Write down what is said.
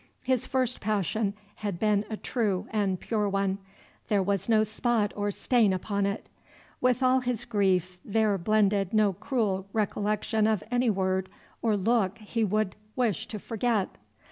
His first passion had been a true and pure one; there was no spot or stain upon it. With all his grief there blended no cruel recollection of any word or look he would have wished to forget.